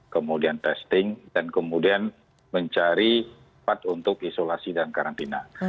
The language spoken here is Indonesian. kemudian testing dan kemudian mencari tempat untuk isolasi dan karantina